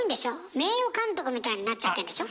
名誉監督みたいになっちゃってんでしょ？